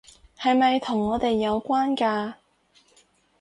係咪同我哋有關㗎？